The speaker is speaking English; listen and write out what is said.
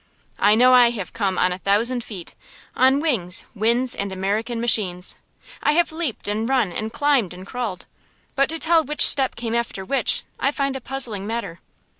I know I have come on a thousand feet, on wings, winds and American machines, I have leaped and run and climbed and crawled, but to tell which step came after which I find a puzzling matter.